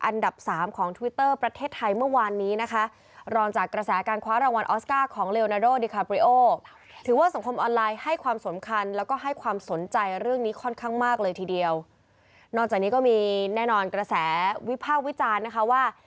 นอกจากนี้ก็มีแน่นอนกระแสวิภาควิจารณ์ว่า